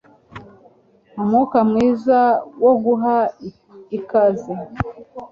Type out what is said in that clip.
Umwuka mwiza wo guha ikaze